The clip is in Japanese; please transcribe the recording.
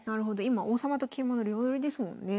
今王様と桂馬の両取りですもんね。